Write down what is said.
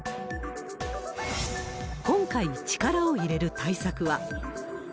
今回、力を入れる対策は。